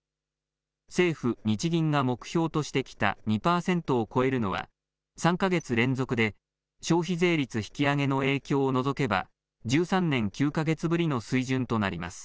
政府・日銀が目標としてきた２％を超えるのは３か月連続で、消費税率引き上げの影響を除けば、１３年９か月ぶりの水準となります。